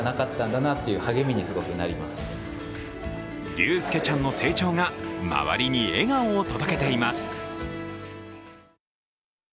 竜佑ちゃんの成長が周りに笑顔を届けています。